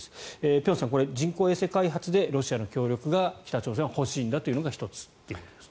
辺さん、人工衛星開発でロシアの協力が北朝鮮は欲しいんだというのが１つということですね。